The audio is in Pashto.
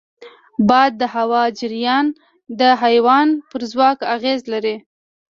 باد او د هوا جریان د حیوان پر ځواک اغېز لري.